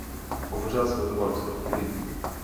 Obřad sledovaly stovky lidí.